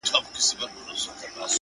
اوس لا د گرانښت څو ټكي پـاتــه دي؛